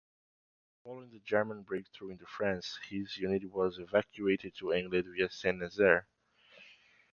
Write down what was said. Following the German breakthrough in France, his unit was evacuated to England via Saint-Nazaire.